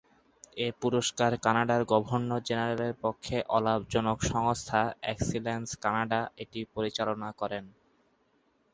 এ পুরস্কার কানাডার গভর্নর জেনারেলের পক্ষে অলাভজনক সংস্থা এক্সিলেন্স কানাডা এটি পরিচালনা করেন।